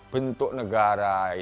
bentuk negara itu sudah selesai